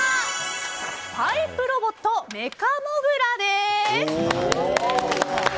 パイプロボットメカモグラです。